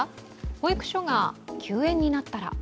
保育所が休園になったら？